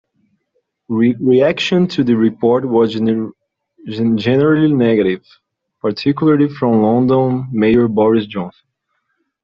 Reaction to the report was generally negative, particularly from London Mayor Boris Johnson.